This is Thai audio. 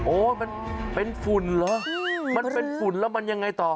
มันเป็นฝุ่นเหรอมันเป็นฝุ่นแล้วมันยังไงต่อ